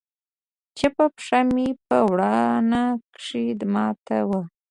چپه پښه مې په ورانه کښې ماته وه.